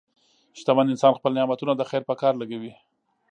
شتمن انسان خپل نعمتونه د خیر په کار لګوي.